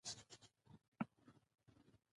د افغانستان په منظره کې سیلابونه ښکاره دي.